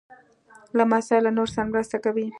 لمسی له نورو سره مرسته کوي.